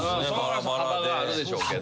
幅があるでしょうけど。